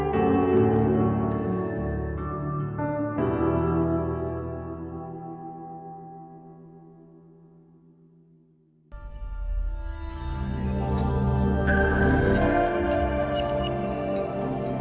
kepala staf angkatan laut